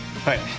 はい。